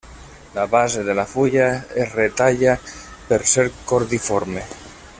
La base de la fulla es retalla per ser cordiforme.